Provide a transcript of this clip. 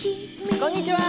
こんにちは。